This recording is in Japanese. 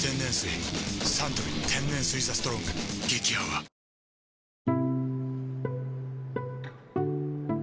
サントリー天然水「ＴＨＥＳＴＲＯＮＧ」激泡さて！